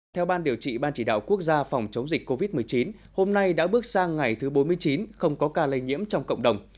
theo ban điều trị ban chỉ đạo quốc gia phòng chống dịch covid một mươi chín hôm nay đã bước sang ngày thứ bốn mươi chín không có ca lây nhiễm trong cộng đồng